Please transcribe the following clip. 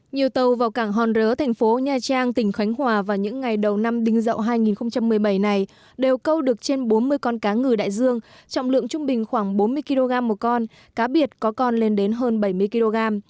nhiều tàu vào cảng hòn rớ thành phố nha trang tỉnh khánh hòa vào những ngày đầu năm đinh dậu hai nghìn một mươi bảy này đều câu được trên bốn mươi con cá ngừ đại dương trọng lượng trung bình khoảng bốn mươi kg một con cá biệt có con lên đến hơn bảy mươi kg